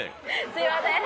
すいません。